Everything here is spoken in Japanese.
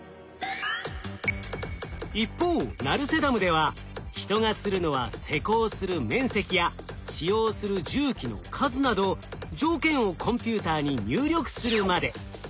一方成瀬ダムでは人がするのは施工する面積や使用する重機の数など条件をコンピューターに入力するまで。